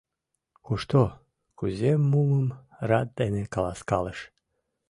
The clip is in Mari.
Кушто, кузе мумым рад дене каласкалыш.